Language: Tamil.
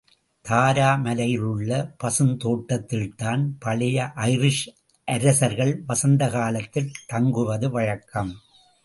தாரா மலையிலுள்ள பசுந்தோட்டத்தில்தான் பழைய ஐரிஷ் அரசர்கள் வசந்தகாலத்தில் தங்குவது வழக்கம்.